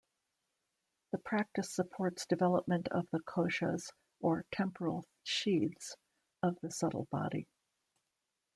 The practice supports development of the koshas, or temporal sheaths, of the subtle body.